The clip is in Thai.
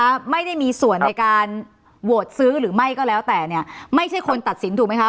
ว่าไม่ได้มีส่วนในการโหวตซื้อหรือไม่ก็แล้วแต่เนี่ยไม่ใช่คนตัดสินถูกไหมคะ